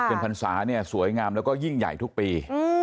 เกินพรรษาสวยงามแล้วก็ยิ่งใหญ่ทุกปี